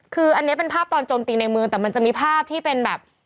คืออันนี้เป็นภาพตอนโจมตีในเมืองแต่มันจะมีภาพที่เป็นแบบ